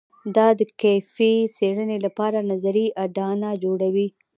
دا د کیفي څېړنې لپاره نظري اډانه جوړوي.